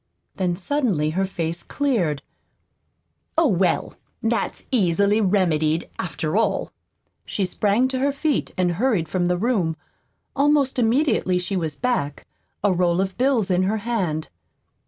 Then suddenly her face cleared. "Oh, well, that's easily remedied, after all." She sprang to her feet and hurried from the room. Almost immediately she was back a roll of bills in her hand.